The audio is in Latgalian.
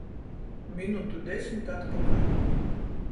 Minutu desmit atpakaļ.